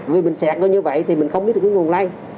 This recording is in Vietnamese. vì mình xạ nó như vậy thì mình không biết được cái nguồn lây